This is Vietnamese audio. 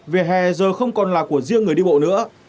về hè giờ không còn là của riêng người đi bộ nữa